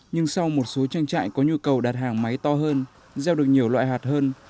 nhưng sau một số tranh trại có nhu cầu đặt hàng máy to hơn gieo được nhiều loại hạt hơn